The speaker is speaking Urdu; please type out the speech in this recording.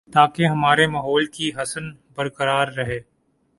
تاکہ ہمارے ماحول کی حسن برقرار رہے